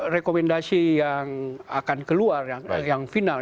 rekomendasi yang akan ke luar yang final